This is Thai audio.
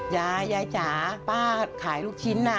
ยายจ๋าป้าขายลูกชิ้น